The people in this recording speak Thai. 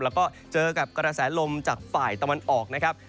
แล้วก็เจอกับกระแสลมจากฝ่ายตะวันออกนะครับ